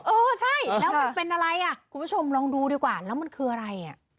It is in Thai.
เออใช่แล้วมันเป็นอะไรอ่ะคุณผู้ชมลองดูดีกว่าแล้วมันคืออะไรอ่ะ